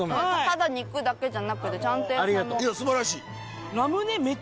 ただ肉だけじゃなくてちゃんと野菜も。